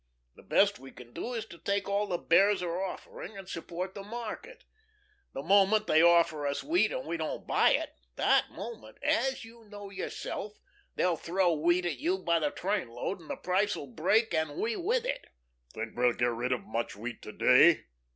The best we can do is to take all the Bears are offering, and support the market. The moment they offer us wheat and we don't buy it, that moment as you know, yourself they'll throw wheat at you by the train load, and the price will break, and we with it." "Think we'll get rid of much wheat to day?"